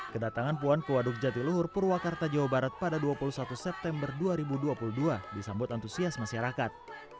kedatangan puan ke waduk jatiluhur purwakarta jawa barat pada dua puluh satu september dua ribu dua puluh dua disambut antusias masyarakat